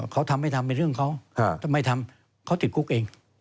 เขาทำไม่ทำเป็นเรื่องเขาทำไมทำเขาติดคุกเอง